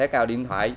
cào điện thoại